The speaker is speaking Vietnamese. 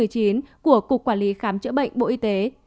của cục quản lý khám chữa bệnh bộ y tế